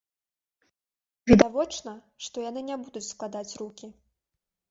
Відавочна, што яны не будуць складаць рукі.